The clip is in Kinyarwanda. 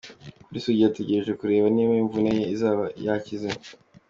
Kuri Sugira dutegereje kureba niba imvune ye izaba yakize.